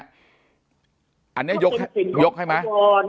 อันนี้ยกให้มั้ย